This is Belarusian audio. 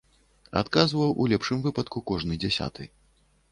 Адказваў у лепшым выпадку кожны дзясяты.